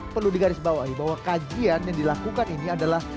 perlu digarisbawahi bahwa kajian yang dilakukan ini adalah